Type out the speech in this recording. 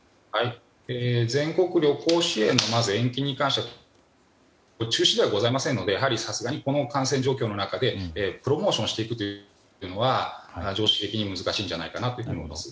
全国旅行支援の延期に関しましては中止ではございませんのでさすがに、この感染状況の中でプロモーションしていくのは常識的に難しいんじゃないかなと思います。